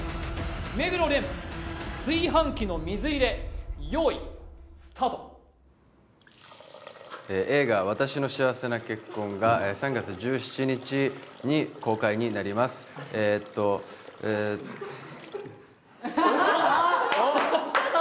目黒蓮炊飯器の水入れ用意スタート映画「わたしの幸せな結婚」が３月１７日に公開になりますえっとえっあっきたぞ！